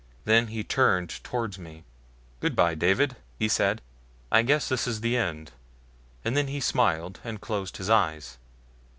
Then he turned toward me. "Good bye, David," he said. "I guess this is the end," and then he smiled and closed his eyes.